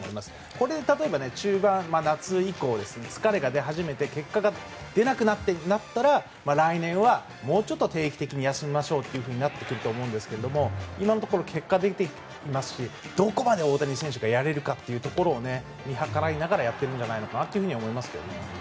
これで例えば中盤、夏以降疲れが出始めて結果が出なくなったら来年は、もうちょっと定期的に休みましょうってことになってくると思いますが今のところ結果も出ていますしどこまで大谷選手がやれるかというところを見計らいながらやってるんじゃないかと思いますけどね。